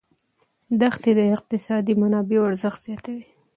دښتې د اقتصادي منابعو ارزښت زیاتوي.